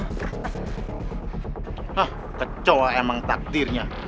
hah kecoa emang takdirnya